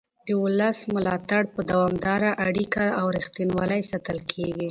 د ولس ملاتړ په دوامداره اړیکه او رښتینولۍ ساتل کېږي